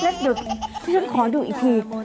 แล้วเดี๋ยวฉันขอดูอีกที